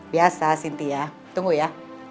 biasa sintia tunggu ya